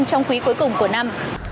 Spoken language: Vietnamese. trong quý cuối cùng của năm